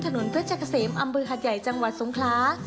ถนนเทือจกเสมอำเบอร์หัดใหญ่จังหวัดทรงคล้า